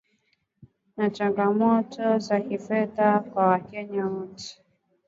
na changamoto za kifedha kwa wakenya wote